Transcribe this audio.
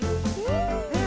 うん。